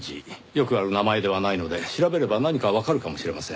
よくある名前ではないので調べれば何かわかるかもしれません。